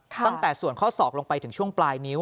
ตั้งแต่ส่วนข้อศอกลงไปถึงช่วงปลายนิ้ว